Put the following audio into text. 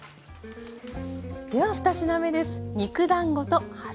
では２品目です。